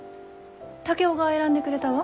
竹雄が選んでくれたが？